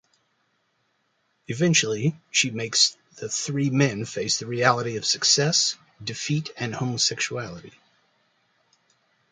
Eventually, she makes the three men face the reality of success, defeat and homosexuality.